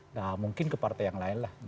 nah mungkin ke partai yang lainlah